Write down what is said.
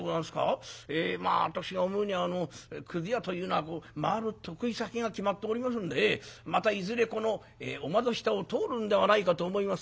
まあ私が思うにくず屋というのは回る得意先が決まっておりますんでまたいずれこのお窓下を通るんではないかと思いますがな」。